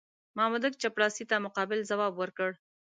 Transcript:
مامدک چپړاسي ته متقابل ځواب ورکړ.